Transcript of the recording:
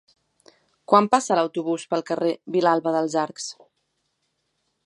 Quan passa l'autobús pel carrer Vilalba dels Arcs?